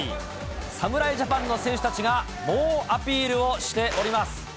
侍ジャパンの選手たちが猛アピールをしております。